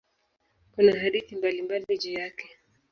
Kuna hadithi mbalimbali juu yake.